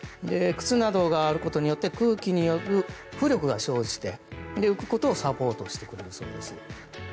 靴などがあることによって空気による浮力が生じて浮くことをサポートしてくれるそうです。